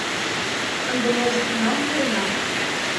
Ынде меже кунам волена